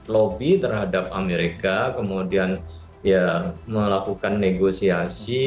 lobby terhadap amerika kemudian melakukan negosiasi